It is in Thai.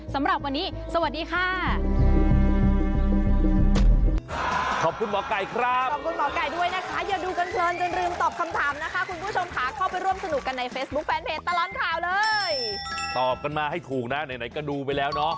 สำหรับวันนี้สวัสดีค่ะ